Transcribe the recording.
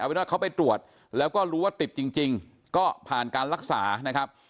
เป็นว่าเขาไปตรวจแล้วก็รู้ว่าติดจริงก็ผ่านการรักษานะครับ